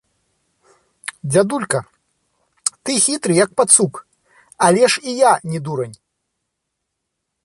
Дзядулька, ты хітры, як пацук, але ж і я не дурань.